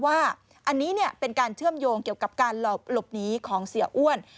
ว่าอันนี้เป็นการเชื่อมโยงเกี่ยวกับการหลบหนีของเสียอ้วน